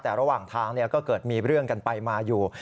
แต่ระหว่างทางก็เกิดมีเรื่องกันไปมาอยู่